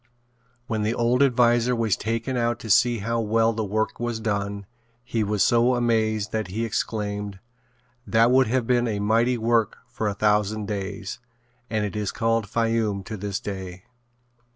When the old adviser was taken out to see how well the work was done, he was so amazed that he exclaimed: "That would have been a mighty work for a thousand days," and it is called Fayoum to this day.